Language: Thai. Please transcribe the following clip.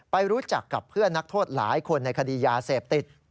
ไปรู้จักกับเพื่อนนักโทษหลายคนในคดียาเสพติด